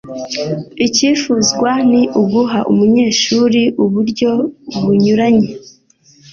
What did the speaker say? icyifuzwa ni uguha umunyeshuri uburyo bunyuranye